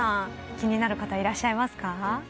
気になる方いらっしゃいますか？